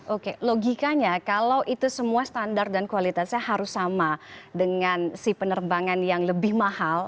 oke logikanya kalau itu semua standar dan kualitasnya harus sama dengan si penerbangan yang lebih mahal